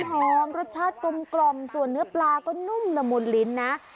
หอมรสชาติกลมส่วนเนื้อปลาก็นุ่มละมุนลิ้นนะ